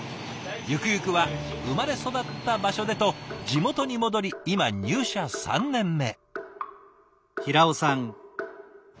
ゆくゆくは生まれ育った場所でと地元に戻り今入社３年目。